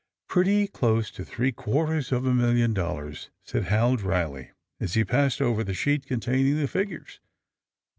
^'Pretty close to three quarters of a million dollars," said Hal dryly, as he passed over th« sheet containing the figures.